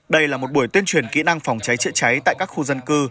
đây là một buổi tuyên truyền kỹ năng phòng cháy chữa cháy tại các khu dân cư